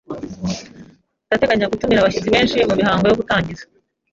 Ndateganya gutumira abashyitsi benshi mumihango yo gutangiza.